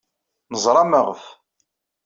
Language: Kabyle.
Neẓra maɣef.